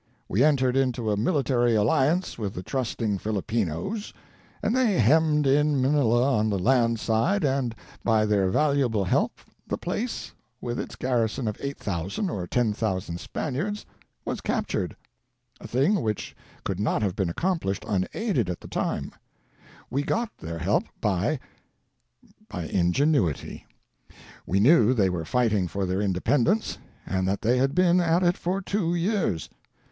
We entered into a mili tary alliance with the trusting Filipinos, and they hemmed in Manila on the land side, and by their valuable help the place, with its garrison of 8,000 or 10,000 Spaniards, was captured — a thing which we could not have accomplished unaided at that time. We got their help by — by ingenuity. We knew they were fighting for their independence, and that they had been at it for two years.